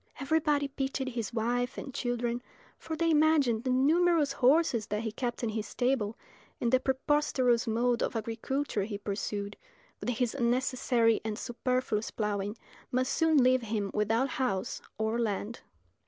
Everybody pitied his wife and children, for they imagined the numerous horses that he kept in his stable, and the preposterous mode of agriculture he pursued, with his unnecessary and superfluous ploughing, must soon leave him without house or land.